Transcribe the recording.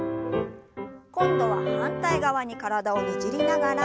今度は反対側に体をねじりながら。